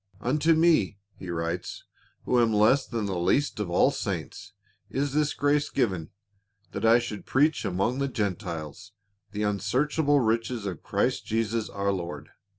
"Unto me," he writes, "who am less than the least of all saints, is tliis grace given, that I should preach among the Gentiles the unsearchable riches of Christ Jesus our Lord.